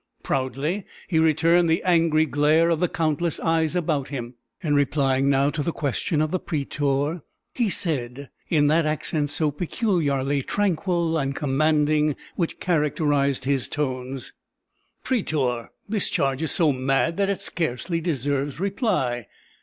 Proudly he returned the angry glare of the countless eyes around him; and replying now to the question of the prætor, he said, in that accent so peculiarly tranquil and commanding which characterized his tones: "Prætor, this charge is so mad that it scarcely deserves reply.